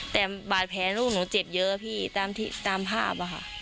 แต่บาดแผลลูกหนูเจ็บเยอะพี่ตามภาพอะค่ะ